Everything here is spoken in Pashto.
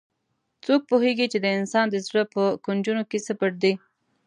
څوک پوهیږي چې د انسان د زړه په کونجونو کې څه پټ دي